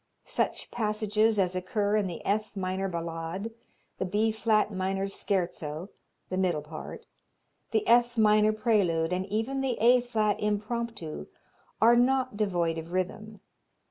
Such passages as occur in the F minor Ballade, the B flat minor Scherzo the middle part the F minor Prelude, and even the A flat Impromptu, are not devoid of rhythm.